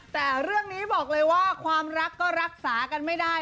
แต่เรื่องนี้บอกเลยว่าความรักก็รักษากันไม่ได้